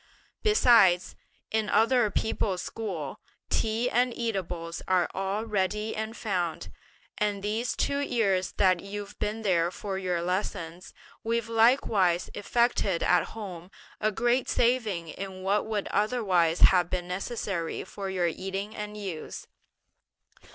Besides, in other people's school, tea and eatables are all ready and found; and these two years that you've been there for your lessons, we've likewise effected at home a great saving in what would otherwise have been necessary for your eating and use.